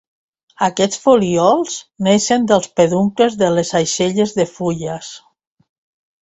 Aquests folíols naixen dels peduncles de les aixelles de fulles.